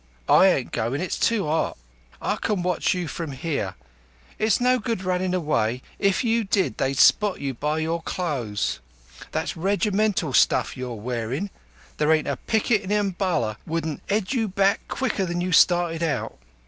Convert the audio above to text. I ain't goin'. It's too 'ot. I can watch you from 'ere. It's no good your runninv away. If you did, they'd spot you by your clothes. That's regimental stuff you're wearin'. There ain't a picket in Umballa wouldn't 'ead you back quicker than you started out."